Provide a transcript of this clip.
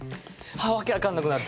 ああ訳わかんなくなる。